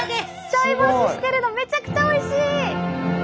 ちょい干ししてるのめちゃくちゃおいしい！